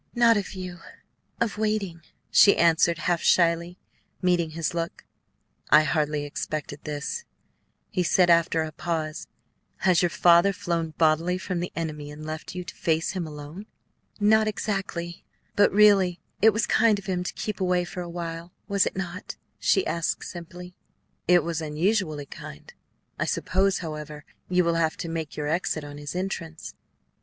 "Not of you; of waiting," she answered, half shyly meeting his look. "I hardly expected this," he said after a pause; "has your father flown bodily from the enemy and left you to face him alone?" "Not exactly. But really it was kind of him to keep away for a while, was it not?" she asked simply. "It was unusually kind. I suppose, however, you will have to make your exit on his entrance."